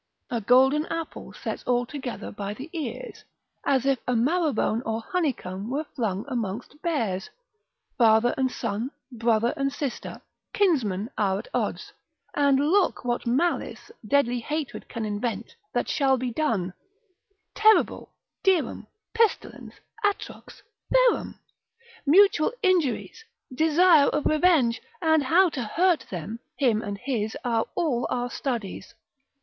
A golden apple sets altogether by the ears, as if a marrowbone or honeycomb were flung amongst bears: father and son, brother and sister, kinsmen are at odds: and look what malice, deadly hatred can invent, that shall be done, Terrible, dirum, pestilens, atrox, ferum, mutual injuries, desire of revenge, and how to hurt them, him and his, are all our studies.